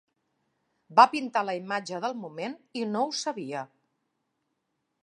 Va pintar la imatge del moment i no ho sabia.